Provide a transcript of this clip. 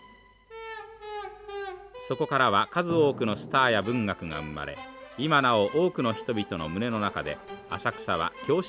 そこからは数多くのスターや文学が生まれ今なお多くの人々の胸の中で浅草は郷愁の街として生き続けています。